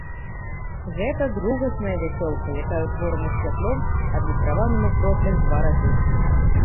Гэта другасная вясёлка, якая ўтворана святлом, адлюстраваным у кроплях два разы.